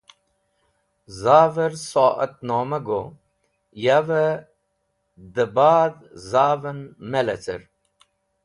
Zavẽr soat noma go yavẽ dẽ badh zavẽn me lecẽr.